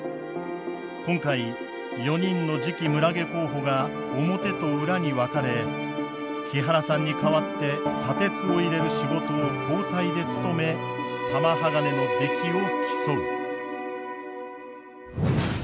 今回４人の次期村下候補が表と裏に分かれ木原さんに代わって砂鉄を入れる仕事を交代で務め玉鋼の出来を競う。